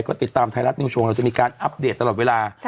ก็ติดตามไทยรัฐนิวโชว์เราจะมีการอัปเดตตลอดเวลา